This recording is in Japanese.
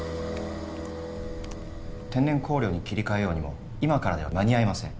天然香料に切り替えようにも今からでは間に合いません。